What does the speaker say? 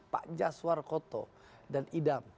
pak jaswar koto dan idam